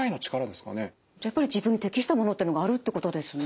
じゃあやっぱり自分に適したものってのがあるってことですね。